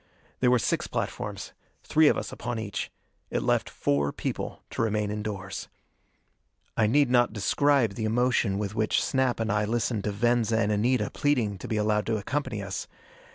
There were six platforms three of us upon each. It left four people to remain indoors. I need not describe the emotion with which Snap and I listened to Venza and Anita pleading to be allowed to accompany us.